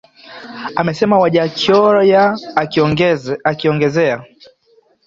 Amesema Wajackoya akiongezea